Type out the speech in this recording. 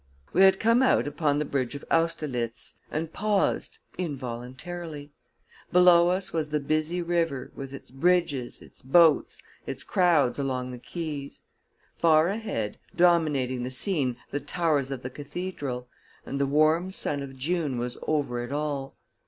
We had come out upon the bridge of Austerlitz, and paused, involuntarily. Below us was the busy river, with its bridges, its boats, its crowds along the quays; far ahead, dominating the scene, the towers of the cathedral; and the warm sun of June was over it all.